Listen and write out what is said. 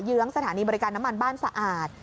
เยื้องสถานีบริการน้ำมันบ้านสะอาด